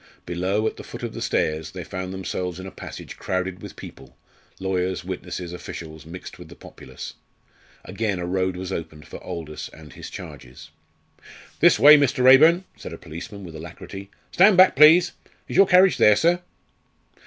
Below, at the foot of the stairs, they found themselves in a passage crowded with people lawyers, witnesses, officials, mixed with the populace. Again a road was opened for Aldous and his charges. "This way, Mr. Raeburn," said a policeman, with alacrity. "Stand back, please! Is your carriage there, sir?"